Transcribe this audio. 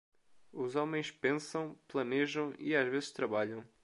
Os homens pensam, planejam e às vezes trabalham.